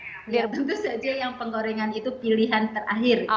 biar tentu saja yang penggorengan itu pilihan terakhir